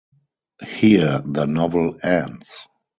Here the novel ends.